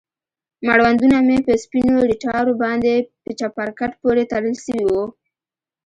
مړوندونه مې په سپينو ريتاړو باندې په چپرکټ پورې تړل سوي وو.